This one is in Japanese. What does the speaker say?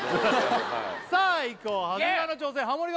こう長谷川の挑戦ハモリ